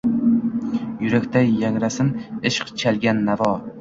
Yurakda yangrasin ishq chalgan navo.